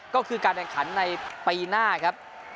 ก็คือการแข่งขันในปีหน้าครับ